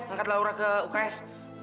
angkat laura ke uks